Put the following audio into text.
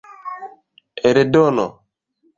eldono